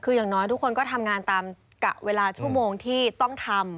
คืออย่างน้อยทุกคนก็ทำงานตามกะเวลาชั่วโมงที่ต้องทำ